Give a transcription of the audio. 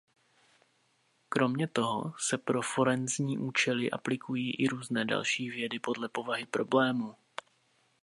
Kromě toho se pro forenzní účely aplikují i různé další vědy podle povahy problému.